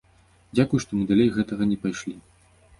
Дзякуй, што мы далей гэтага не пайшлі.